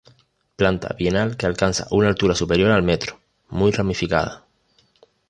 Planta bienal que alcanza una altura superior al metro, muy ramificada.